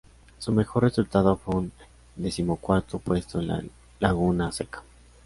Su mejor resultado fue un decimocuarto puesto en Laguna Seca.